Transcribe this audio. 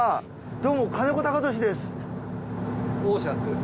どうも金子貴俊です。